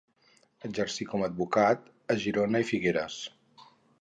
Exercí com a advocat a Girona i Figueres.